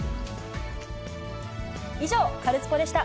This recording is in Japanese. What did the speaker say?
以上、カルスポっ！でした。